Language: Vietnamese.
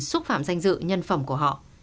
xúc phạm danh dự nhân phẩm của họ